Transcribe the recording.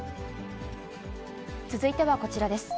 続いてはこちらです。